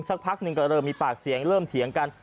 สักพักหนึ่งก็เริ่มมีปากเสียงเริ่มเถียงกัน